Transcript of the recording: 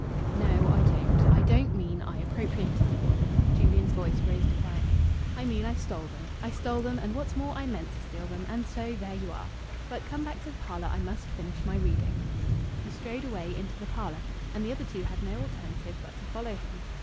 "No, I don't. I don't mean I appropriated 'em." Julian's voice rose defiantly. "I mean I stole them.... I stole them, and what's more, I meant to steal them. And so there ye are! But come back to the parlour. I must finish my reading." He strode away into the parlour, and the other two had no alternative but to follow him.